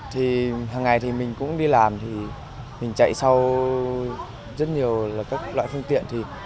thì hằng ngày mình cũng đi làm thì mình chạy sau rất nhiều loại phương tiện